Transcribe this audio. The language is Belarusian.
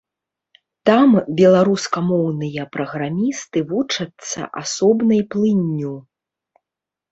Там беларускамоўныя праграмісты вучацца асобнай плынню.